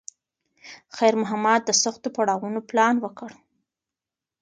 خیر محمد د سختو پړاوونو پلان وکړ.